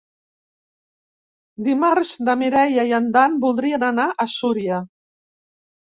Dimarts na Mireia i en Dan voldrien anar a Súria.